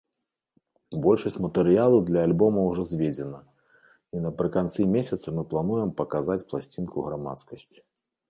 Большасць матэрыялу для альбома ўжо зведзена, і напрыканцы месяца мы плануем паказаць пласцінку грамадскасці.